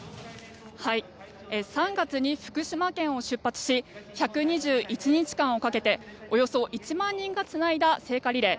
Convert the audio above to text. ３月に福島県を出発し１２１日間をかけておよそ１万人がつないだ聖火リレー。